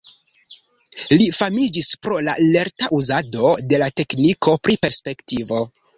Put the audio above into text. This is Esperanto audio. Li famiĝis pro la lerta uzado de la tekniko pri perspektivo.